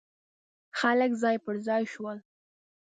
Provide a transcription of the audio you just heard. خلک ځای پر ځای شول.